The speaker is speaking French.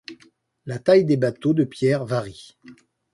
La taille des bateaux de pierre varie.